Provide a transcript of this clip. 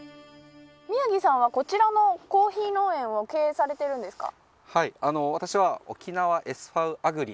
宮城さんは、こちらのコーヒー農園を経営されているんですか。